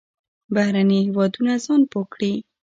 بهرني هېوادونه ځان پوه ګڼي.